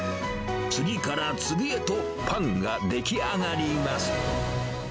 次から次へとパンが出来上がります。